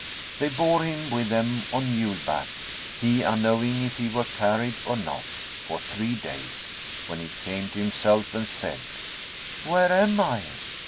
They bore him with them on mule back (he unknowing if he were carried or not) for three days, when he came to himself and said, "Where am I?"